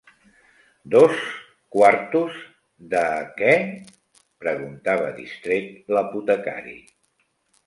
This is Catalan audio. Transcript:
-Dos… quartos… de… què…?- preguntava distret l'apotecari.